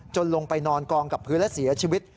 ลงไปนอนกองกับพื้นและเสียชีวิต